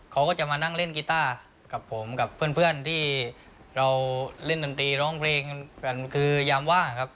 เขาก็จะมานั่งเล่นกีต้ากับผมกับเพื่อนที่เราเล่นดนตรีร้องเพลงกันคือยามว่างครับ